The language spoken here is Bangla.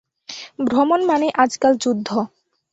ভ্রমণ মানেই আজকাল যুদ্ধ।